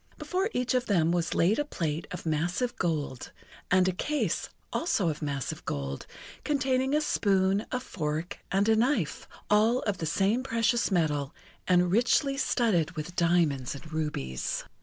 Before each of them was laid a plate of massive gold, and a case also of massive gold containing a spoon, a fork, and a knife, all of the same precious metal, and richly studded with diamonds and rubies.